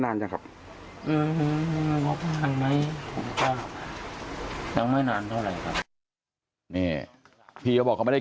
นานจังครับอืมก็ไม่นานเท่าไรครับนี่เขาบอกเขาไม่ได้